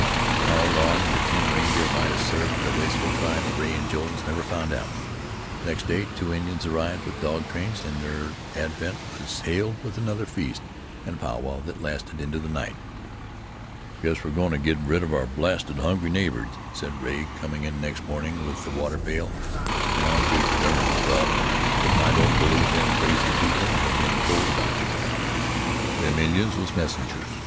How long the ten reindeer might have served the wasteful tribe, Rea and Jones never found out. The next day two Indians arrived with dog trains, and their advent was hailed with another feast, and a pow wow that lasted into the night. "Guess we're goin' to get rid of our blasted hungry neighbors," said Rea, coming in next morning with the water pail, "An' I'll be durned, Buff, if I don't believe them crazy heathen have been told about you. Them Indians was messengers.